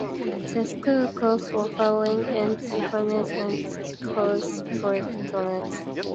The school's course offerings are honors and college-prep courses.